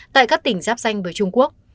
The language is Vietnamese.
tại các tỉnh giáp danh với trung quốc